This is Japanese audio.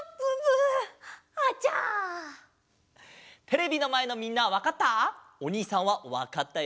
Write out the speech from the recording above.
テレビのまえのみんなはわかった？